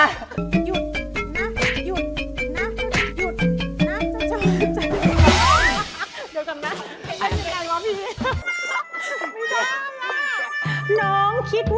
เดี๋ยวก่อนน่ะ